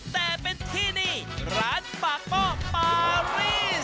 แต่เป็นที่นี่ร้านปากหม้อปารีส